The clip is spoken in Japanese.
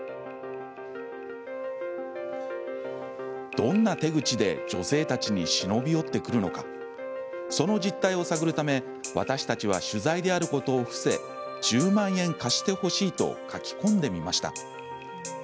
どんな手口で女性たちに忍び寄ってくるのかその実態を探るため私たちは取材であることを伏せ「１０万円貸してほしい」と書き込んでみました。